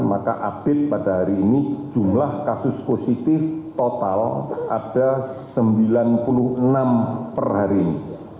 maka update pada hari ini jumlah kasus positif total ada sembilan puluh enam per hari ini